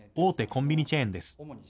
コンビニチェーンです。